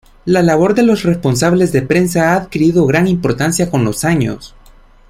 La labor de los responsables de prensa ha adquirido gran importancia con los años.